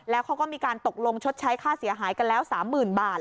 แล้วเขาก็มีการตกลงชดใช้ค่าเสียหายกันแล้ว๓๐๐๐บาท